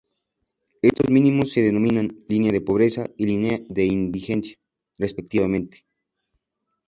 Estos mínimos se denominan "línea de pobreza" y "línea de indigencia" respectivamente.